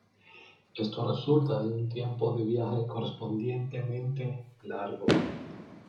Esto resulta en un tiempo de viaje correspondientemente largo.